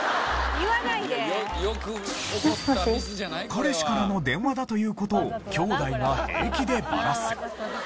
彼氏からの電話だという事をきょうだいが平気でバラす。